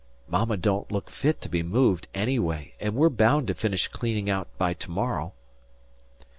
Mama don't look fit to be moved, anyway, and we're bound to finish cleaning out by tomorrow.